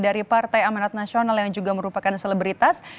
dari partai amanat nasional yang juga merupakan selebritas